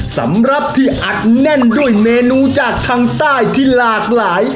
สำหรับที่อัดแน่นด้วยเมนูจากทางใต้ที่หลากหลาย